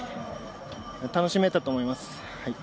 楽しめたと思います。